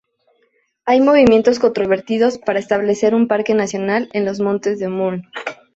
Hay movimientos controvertidos para establecer un parque nacional en los montes de Mourne.